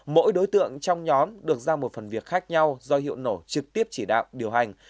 mỗi đối tượng trong nhóm được ra một phần việc khác nhau do hiệu nổ trực tiếp chỉ đạo điều hành